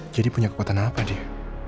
jadi punya kekuatan apa dia